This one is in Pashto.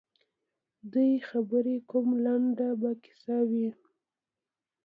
دوی خبري کوم لنډه به کیسه وي